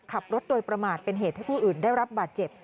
ขับรถโดยประมาทเป็นเหตุให้ผู้อื่นได้รับบาดเจ็บ